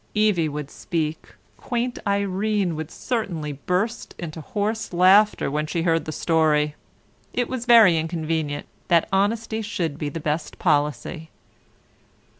Evie would speak, quaint Irene would certainly burst into hoarse laughter when she heard the story. It was very inconvenient that honesty should be the best policy.